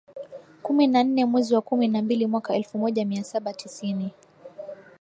kumi na nne mwezi wa kumi na mbili mwaka elfu moja mia saba tisini